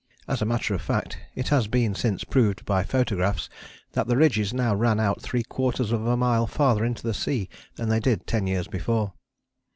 As a matter of fact it has been since proved by photographs that the ridges now ran out three quarters of a mile farther into the sea than they did ten years before.